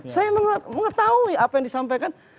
saya mengetahui apa yang disampaikan